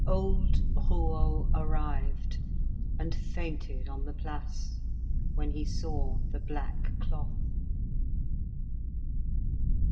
Old Rouault arrived, and fainted on the Place when he saw the black cloth!